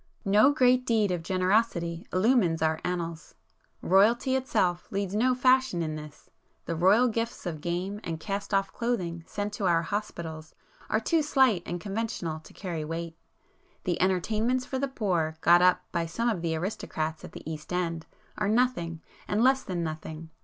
No great deed of generosity illumines our annals. Royalty itself leads no fashion in this,—the royal gifts of game and cast off clothing sent to our hospitals are too slight and conventional to carry weight. The 'entertainments for the poor' got up by some of the aristocrats at the East end, are nothing, and less than nothing.